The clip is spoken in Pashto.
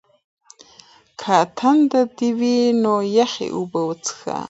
که تنده دې وي نو یخې اوبه وڅښه.